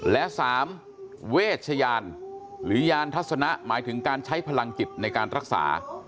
และ๓เวชยานหรือยานทัศนะหมายถึงการใช้พลังจิตในการรักษา